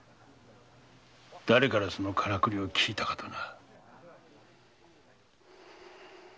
誰からそのカラクリを聞いたかとな。